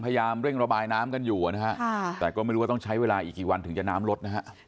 พยายามเร่งระบายน้ำกันอยู่นะฮะแต่ก็ไม่รู้ว่าต้องใช้เวลาอีกกี่วันถึงจะน้ำลดนะฮะ